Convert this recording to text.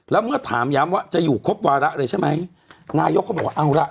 แล้วเมื่อถามย้ำว่าจะอยู่ครบวาระเลยใช่ไหมนายกเขาบอกว่าเอาล่ะ